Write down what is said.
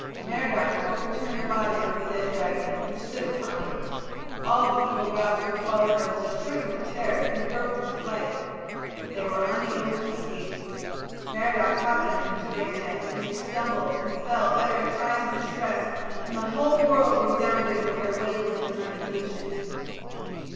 Merodach overturned the body of the dead dragon and stood upon it. All the evil gods who had followed her were stricken with terror and broke into flight. But they were unable to escape. Merodach caught them in his great net, and they stumbled and fell uttering cries of distress, and the whole world resounded with their wailing and lamentations.